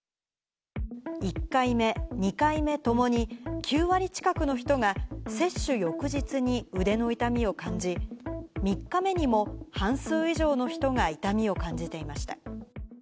１回目、２回目ともに、９割近くの人が接種翌日に腕の痛みを感じ、３日目にも半数以上の人が痛みを感じていました。